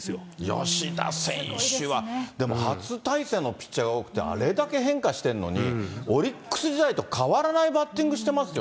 吉田選手は、でも初対戦のピッチャーが多くて、あれだけ変化してるのに、オリックス時代と変わらないバッティングしてますよ